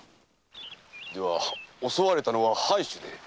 襲われたのは藩主で？